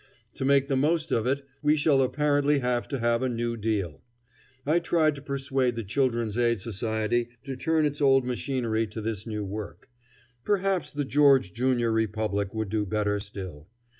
To make the most of it, we shall apparently have to have a new deal. I tried to persuade the Children's Aid Society to turn its old machinery to this new work. Perhaps the George Junior Republic would do better still.